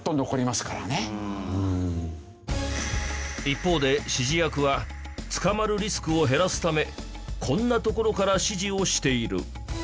一方で指示役は捕まるリスクを減らすためこんな所から指示をしている。